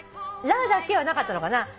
ラだけはなかったのかな？